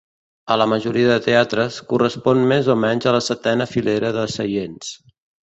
A la majoria de teatres, correspon més o menys a la setena filera de seients.